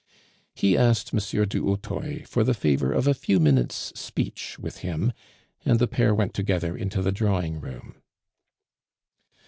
He asked M. du Hautoy for the favor of a few minutes' speech with him, and the pair went together into the drawing room.